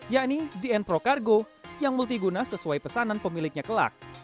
yakni dn pro cargo yang multiguna sesuai pesanan pemiliknya kelak